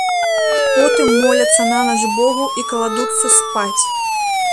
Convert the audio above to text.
Потым моляцца нанач богу і кладуцца спаць.